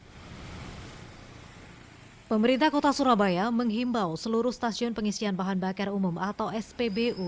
hai pemerintah kota surabaya menghimbau seluruh stasiun pengisian bahan bakar umum atau spbu